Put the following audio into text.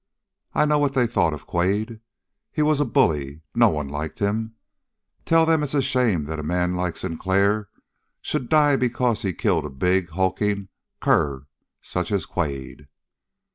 I know what they thought of Quade. He was a bully. No one liked him. Tell them it's a shame that a man like Sinclair should die because he killed a big, hulking cur such as Quade.